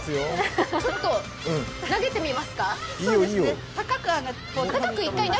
ちょっと投げてみますか？